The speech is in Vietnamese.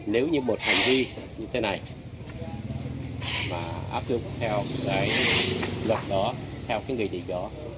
nếu như một hành vi như thế này mà áp dụng theo cái luật đó theo cái nghị định đó